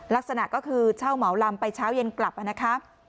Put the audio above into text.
ลักษณะก็คือเช่าเหมาลำไปเช้าเย็นกลับนะคะ